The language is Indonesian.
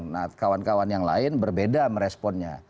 nah kawan kawan yang lain berbeda meresponnya